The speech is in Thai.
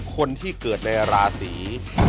คนที่เกิดในราศี